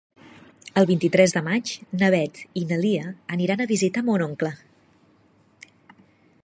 El vint-i-tres de maig na Beth i na Lia aniran a visitar mon oncle.